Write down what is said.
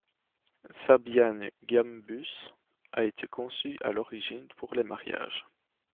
Sabyan Gambus a été conçu à l’origine pour les mariages.